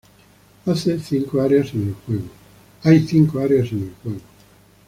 Hay cinco áreas en el juego.